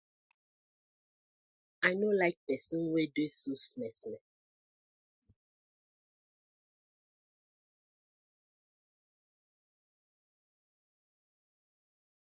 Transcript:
I no like pesin we dey so smer smer.